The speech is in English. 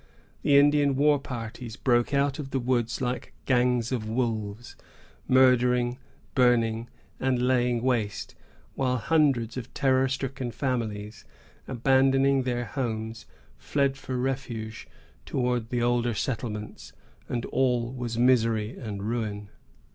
The Indian war parties broke out of the woods like gangs of wolves, murdering, burning, and laying waste; while hundreds of terror stricken families, abandoning their homes, fled for refuge towards the older settlements, and all was misery and ruin.